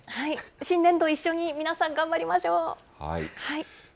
新年度、一緒に皆さん頑張りましょう。